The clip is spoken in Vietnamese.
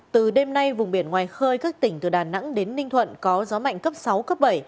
từ đêm nay vùng biển ngoài khơi các tỉnh từ đà nẵng đến ninh thuận có gió mạnh cấp sáu cấp bảy